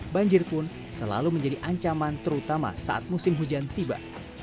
banjir pun selalu menjadi ancaman terutama saat musim hujan tiba